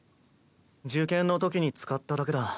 受験のときに使っただけだ。